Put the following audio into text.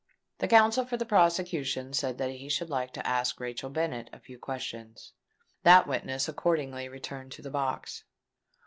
The counsel for the prosecution said that he should like to ask Rachel Bennet a few questions. That witness accordingly returned to the box.